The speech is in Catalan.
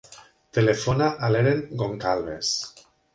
Telefona a l'Eren Goncalves.